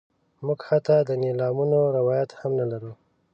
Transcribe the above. موږ حتی د نیلامونو روایت هم نه لرو.